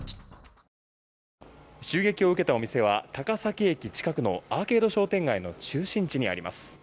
襲撃を受けたお店は高崎駅近くのアーケード商店街の中心地にあります。